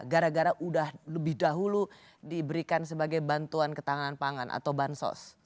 gara gara udah lebih dahulu diberikan sebagai bantuan ketahanan pangan atau bansos